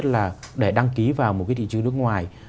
bốn năm triệu đồng